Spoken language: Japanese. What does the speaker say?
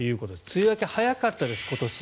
梅雨明け、早かったです今年。